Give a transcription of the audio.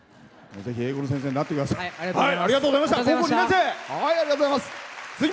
ぜひ英語の先生になってください。